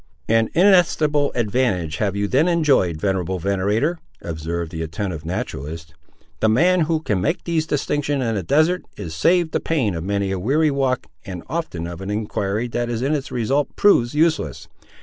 "An inestimable advantage have you then enjoyed, venerable venator!" observed the attentive naturalist. "The man who can make these distinctions in a desert, is saved the pain of many a weary walk, and often of an enquiry that in its result proves useless.